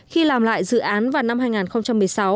khi làm lại dự án vào năm hai nghìn một mươi sáu